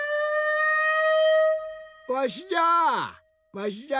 わしじゃ！